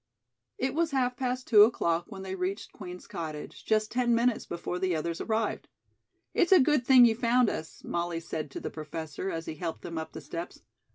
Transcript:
It was half past two o'clock when they reached Queen's Cottage, just ten minutes before the others arrived. "It's a good thing you found us," Molly said to the Professor as he helped them up the steps.